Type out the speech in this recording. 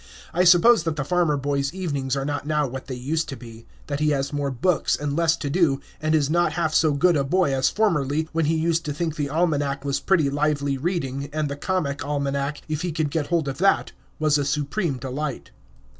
I suppose that the farmer boy's evenings are not now what they used to be; that he has more books, and less to do, and is not half so good a boy as formerly, when he used to think the almanac was pretty lively reading, and the comic almanac, if he could get hold of that, was a supreme delight.